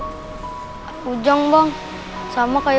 saat jangan ada mobilnya